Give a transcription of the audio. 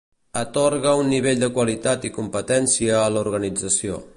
Atorga un nivell de qualitat i competència a l'organització.